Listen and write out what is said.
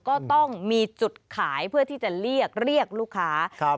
ก็ต้องมีจุดขายเพื่อที่จะเรียกลูกค้า